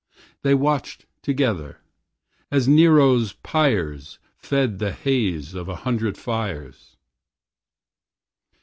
They watched together, as Nero's pyres Fed the haze of a hundred fires.